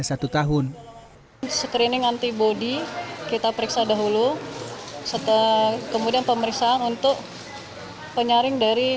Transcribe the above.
satu tahun screening antibody kita periksa dahulu setelah kemudian pemeriksaan untuk penyaring dari